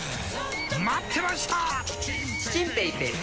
待ってました！